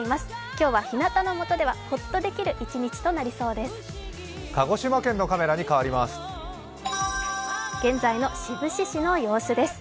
今日は、ひなたのもとではほっとできる一日となりそうです。